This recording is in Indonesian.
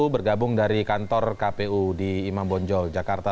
bergabung dari kantor kpu di imam bonjol jakarta